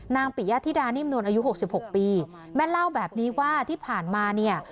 ปิยธิดานิ่มนวลอายุหกสิบหกปีแม่เล่าแบบนี้ว่าที่ผ่านมาเนี่ย